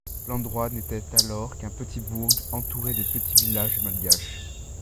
L'endroit n'était alors qu'un petit bourg entouré de petits villages malgaches.